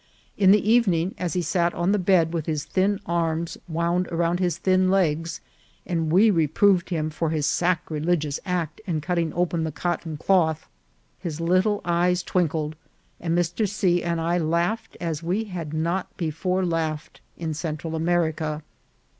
In the evening, as he sat on the bed with his thin arms wound around his thin legs, and we reproved him for his sacrilegious act in cutting open the cotton cloth, his little eyes twinkled, and Mr. C. and I laughed as we had not before laughed in Central America.